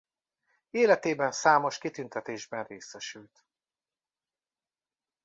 Életében számos kitüntetésben részesült.